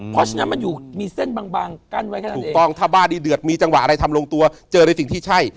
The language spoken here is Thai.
เพราะฉะนั้นมันอยู่มีเส้นบางกั้นไว้ก็ได้ถูกต้องถ้าบ้าดีเดือดมีจังหวะอะไรทำลงตัวเจอในสิ่งที่ใช่